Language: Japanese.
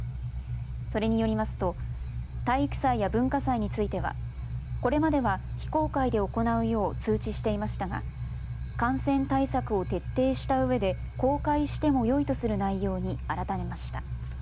それによりますと体育祭や文化祭についてはこれまでは非公開で行うよう通知していましたが感染対策を徹底したうえで公開してもよいとする内容に改めました。